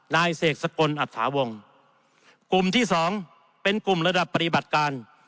นายเสกสกลอัตถาวงกลุ่มที่สองเป็นกลุ่มระดับปฏิบัติการ